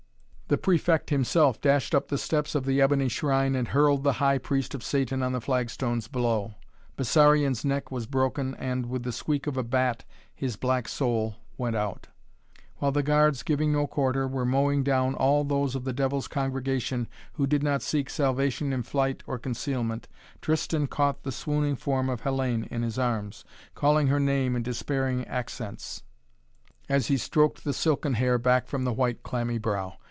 The Prefect himself dashed up the steps of the ebony shrine and hurled the High Priest of Satan on the flagstones below. Bessarion's neck was broken and, with the squeak of a bat, his black soul went out. While the guards, giving no quarter, were mowing down all those of the devil's congregation who did not seek salvation in flight or concealment, Tristan caught the swooning form of Hellayne in his arms, calling her name in despairing accents, as he stroked the silken hair back from the white clammy brow.